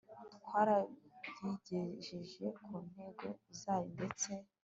byarayigejeje ku ntego zayo ndeste